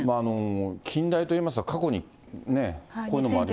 近大といいますと、過去にね、こういうのもありました。